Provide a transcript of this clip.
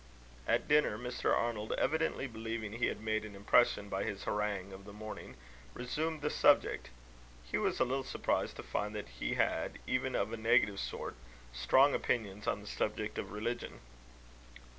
At dinner, Mr. Arnold, evidently believing he had made an impression by his harangue of the morning, resumed the subject. Hugh was a little surprised to find that he had, even of a negative sort, strong opinions on the subject of religion.